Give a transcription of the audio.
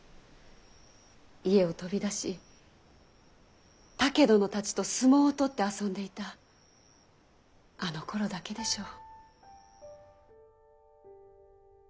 家を飛び出し竹殿たちと相撲をとって遊んでいたあのころだけでしょう。